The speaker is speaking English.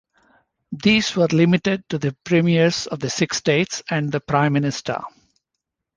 These were limited to the premiers of the six states and the Prime Minister.